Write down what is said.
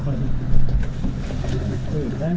แบงค์